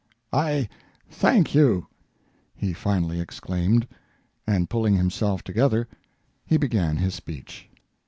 "I thank you!" he finally exclaimed, and, pulling himself together, he began his speech.